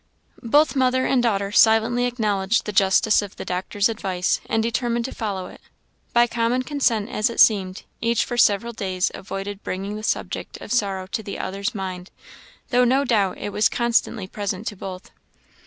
Both mother and daughter silently acknowledged the justice of the doctor's advice, and determined to follow it. By common consent, as it seemed, each for several days avoided bringing the subject of sorrow to the other's mind; though no doubt it was constantly present to both.